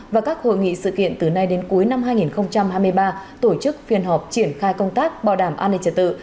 và các hội nghị sự kiện từ nay đến cuối năm hai nghìn hai mươi ba tổ chức phiên họp triển khai công tác bảo đảm an ninh trật tự